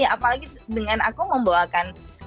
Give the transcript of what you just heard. apalagi dengan aku membawakan